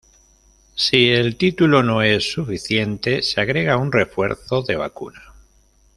Si el título no es suficiente se agrega un refuerzo de vacuna.